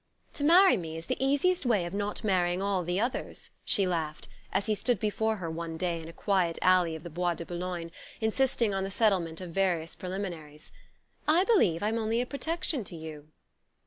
"To marry me is the easiest way of not marrying all the others," she laughed, as he stood before her one day in a quiet alley of the Bois de Boulogne, insisting on the settlement of various preliminaries. "I believe I'm only a protection to you."